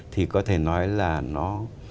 thì có thể nói là nó